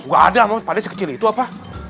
nggak ada pak deh sekecil itu apa